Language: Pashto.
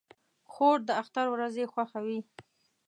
خور د اختر ورځې خوښوي.